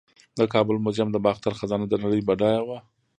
د کابل میوزیم د باختر خزانه د نړۍ بډایه وه